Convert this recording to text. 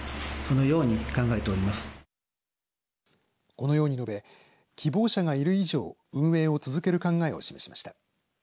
このように述べ希望者がいる以上運営を続ける考えを示しました。